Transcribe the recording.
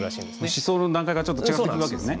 思想の段階からちょっと違ってきますよね。